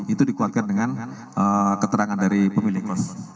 itu dikuatkan dengan keterangan dari pemilik kos